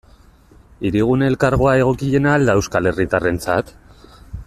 Hirigune Elkargoa egokiena al da euskal herritarrentzat?